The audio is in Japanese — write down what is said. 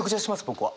僕は。